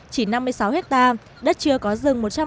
chỉ năm mươi sáu hectare đất chưa có rừng